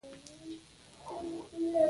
لرګی سوځي او تودوخه تولیدوي.